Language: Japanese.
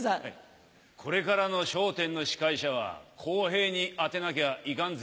これからの『笑点』の司会者は公平に当てなきゃいかんぜよ。